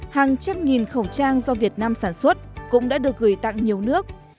hàng trăm nghìn khẩu trang do việt nam sản xuất cũng đã được gửi tặng nhiều nước